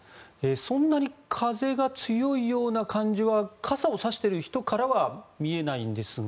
そんなに風が強いような感じは傘を差している人からは見えないんですが。